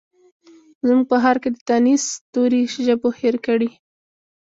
زموږ په ښارکې د تانیث توري ژبو هیر کړي